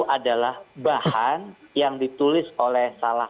ada grafik nama nama